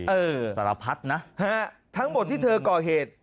เออสารพัดนะทั้งหมดที่เธอก่อเหตุ